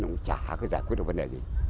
nó cũng chả có giải quyết được vấn đề gì